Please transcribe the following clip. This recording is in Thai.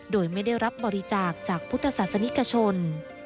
โดยไม่ได้รับบริจาคจากพุทธศาสนิกชน